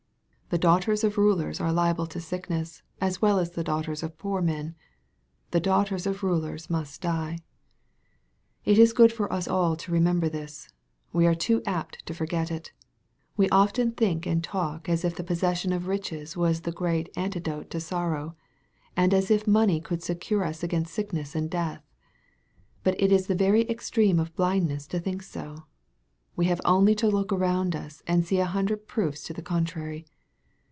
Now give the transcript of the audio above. The daughters of rulers are liable to sickness, as well as the daughters of poor men. The daughters of rulers must die. It is good for us all to remember this. We are too apt to forget it. We often think and talk as if the posses sion of riches was the great antidote to sorrow, and as if money could secure us against sickness and death. But it is the very extreme of blindness to think so. We have only to look around us and see a hundred proofs to the contrary.